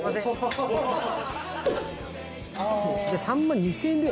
じゃあ３万２，０００円で。